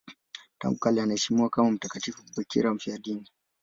Tangu kale anaheshimiwa kama mtakatifu bikira mfiadini.